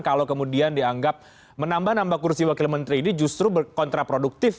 kalau kemudian dianggap menambah nambah kursi wakil menteri ini justru kontraproduktif